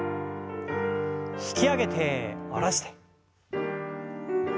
引き上げて下ろして。